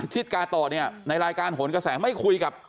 ทิศกาโตะเนี่ยในรายการโหนกระแสไม่คุยกับ